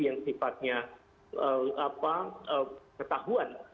yang sifatnya ketahuan